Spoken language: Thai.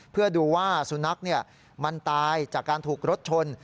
เพื่อดูว่าสุนัขมันตายจากการถูกรถชน